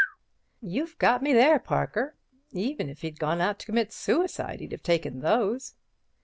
"You've got me there, Parker. Even if he'd gone out to commit suicide he'd have taken those."